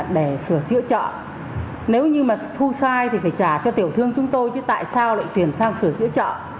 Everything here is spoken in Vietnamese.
để sửa chữa chợ nếu như mà thu sai thì phải trả cho tiểu thương chúng tôi chứ tại sao lại chuyển sang sửa chữa chợ